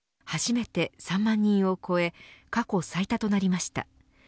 初めて３万人を超え過去最多となりました。